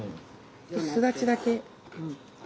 すだちだけ。